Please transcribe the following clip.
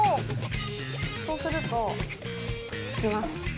そうするとつきます。